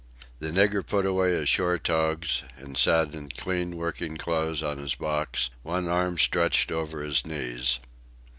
The nigger put away his shore togs and sat in clean working clothes on his box, one arm stretched over his knees.